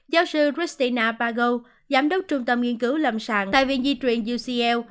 giáo sư christina pagel giám đốc trung tâm nghiên cứu lâm sản tại viện di truyền ucl